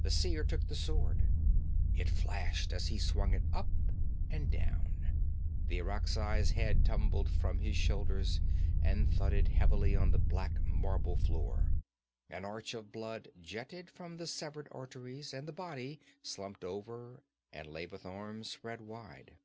The Seer took the sword. It flashed as he swung it up and down. The Irakzai's head tumbled from his shoulders and thudded heavily on the black marble floor. An arch of blood jetted from the severed arteries and the body slumped over and lay with arms spread wide.